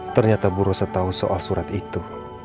ternyata bu rosa tahu soal surat itu